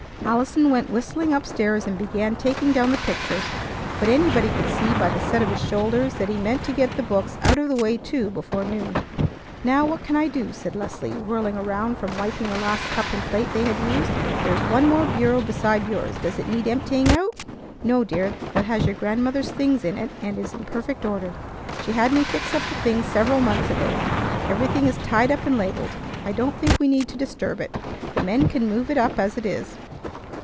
Allison went whistling up stairs, and began taking down the pictures; but anybody could see by the set of his shoulders that he meant to get the books out of the way too before noon. "Now, what can I do?" said Leslie, whirling around from wiping the last cup and plate they had used. "There's one more bureau besides yours. Does it need emptying out?" "No, dear. That has your grandmother's things in it, and is in perfect order. She had me fix up the things several months ago. Everything is tied up and labelled. I don't think we need to disturb it. The men can move it up as it is.